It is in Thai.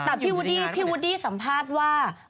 แต่พี่วูดดี้สัมภาษณ์ว่า